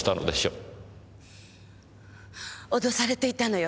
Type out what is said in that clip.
脅されていたのよ